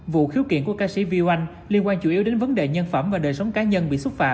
vụ khiếu kiện của ca sĩ viu anh liên quan chủ yếu đến vấn đề nhân phẩm và đời sống cá nhân